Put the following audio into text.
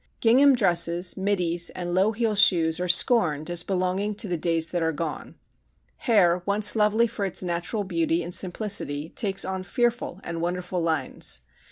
Gingham dresses, middies, and low heel shoes are scorned as belonging to the days that are gone. Hair once lovely for its natural beauty and simplicity takes on fearful and wonderful lines.